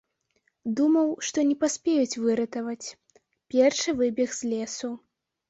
Думаў, што не паспеюць выратаваць, першы выбег з лесу.